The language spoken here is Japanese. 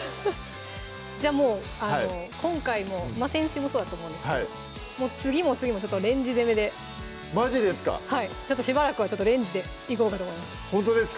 じゃもう今回も先週もそうだと思うんですけど次も次もレンジ攻めでマジですかちょっとしばらくはレンジでいこうかと思います